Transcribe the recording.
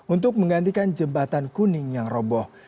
untuk menggantikan jembatan kuning yang roboh